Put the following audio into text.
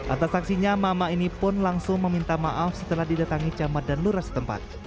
atas saksinya mama ini pun langsung meminta maaf setelah didatangi camat dan lurah setempat